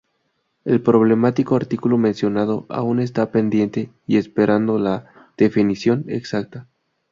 el problemático artículo mencionado aún está pendiente y esperando la definición exacta